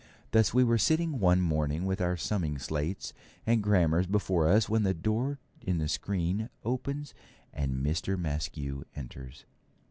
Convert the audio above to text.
Thus we were sitting one morning with our summing slates and grammars before us when the door in the screen opens and Mr. Maskew enters.